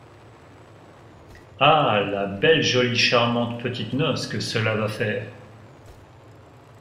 Ah! la belle jolie charmante petite noce que cela va faire !